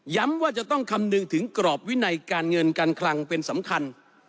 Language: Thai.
ว่าจะต้องคำนึงถึงกรอบวินัยการเงินการคลังเป็นสำคัญ